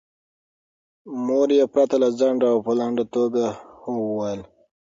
مور یې پرته له ځنډه او په لنډه توګه هو وویل.